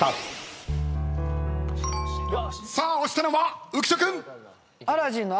さあ押したのは浮所君。